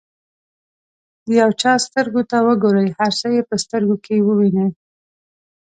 د یو چا سترګو ته وګورئ هر څه یې په سترګو کې ووینئ.